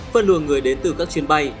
phân luận người đến từ các chuyên bay